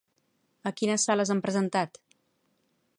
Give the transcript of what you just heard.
A quines sales han presentat?